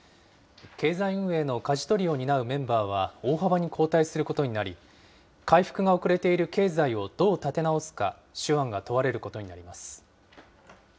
経済運営のかじ取りを担うメンバーは大幅に交代することになり、回復が遅れている経済をどう立て直すか、手腕が問われることになります。